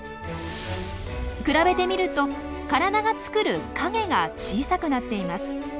比べてみると体が作る影が小さくなっています。